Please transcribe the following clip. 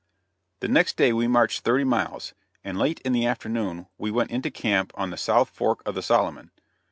The next day we marched thirty miles, and late in the afternoon we went into camp on the South fork of the Solomon.